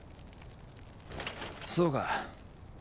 そうか。